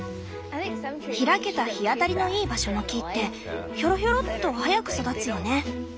開けた日当たりのいい場所の木ってひょろひょろっと早く育つよね。